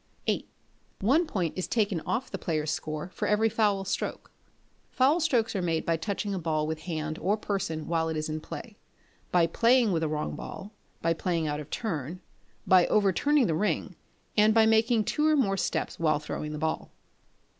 viii. One point is taken off the player's score for every foul stroke. Foul strokes are made by touching a ball with hand or person while it is in play; by playing with a wrong ball; by playing out of turn; by overturning the ring; and by making two or more steps while throwing the ball.